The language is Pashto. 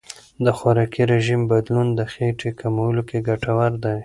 د خوراکي رژیم بدلون د خېټې کمولو کې ګټور دی.